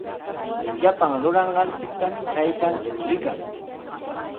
Llapan ruranqanchiktami taytanchik rikan.